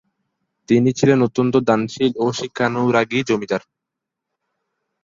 তিনি ছিলেন অত্যন্ত দানশীল ও শিক্ষানুরাগী জমিদার।